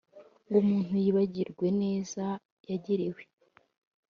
ngo umuntu yibagirwe ineza yagiriwe